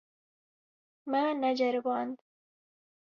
Me neceriband.